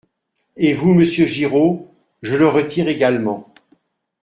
Et vous, monsieur Giraud Je le retire également.